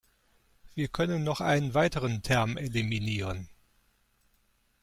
Wir können noch einen weiteren Term eliminieren.